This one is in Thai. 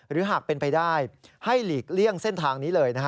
หรือหากเป็นไปได้ให้หลีกเลี่ยงเส้นทางนี้เลย